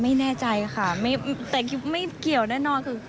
ไม่แน่ใจค่ะแต่กิ๊บไม่เกี่ยวแน่นอนคือ